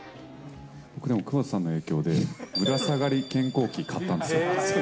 僕、でも窪田さんの影響で、ぶら下がり健康器買ったんですよ。